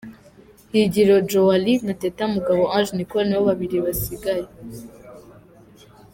Higiro Joally na Teta Mugabo Ange Nicole nibo babiri basigaye.